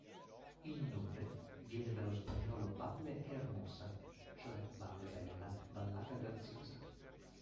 Il nome viene dallo spagnolo "valle hermosa", cioè valle bella, vallata graziosa.